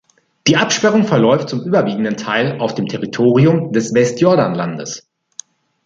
Die Absperrung verläuft zum überwiegenden Teil auf dem Territorium des Westjordanlandes.